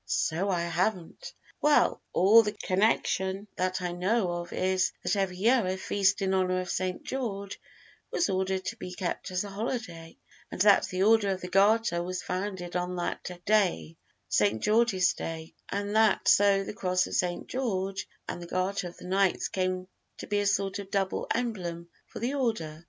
"So I haven't; well, all the connection that I know of is, that every year a feast in honor of St. George was ordered to be kept as a holiday, and that the Order of the Garter was founded on that day St. George's Day and that so the Cross of St. George and the Garter of the Knights came to be a sort of double emblem for the order."